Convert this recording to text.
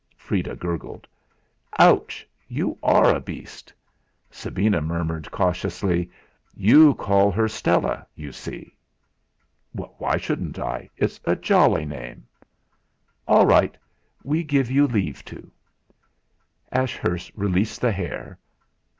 Freda gurgled: "Ouch! You are a beast!" Sabina murmured cautiously: "You call her Stella, you see!" "Why shouldn't I? It's a jolly name!" "All right; we give you leave to!" Ashurst released the hair.